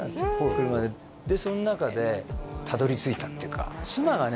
車ででその中でたどり着いたっていうか妻がね